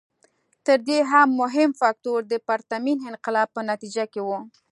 تر دې هم مهم فکټور د پرتمین انقلاب په نتیجه کې و.